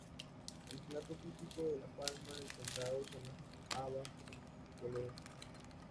El plato típico de La Palma del Condado son las habas con poleo.